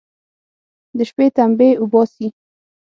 د شپې تمبې اوباسي.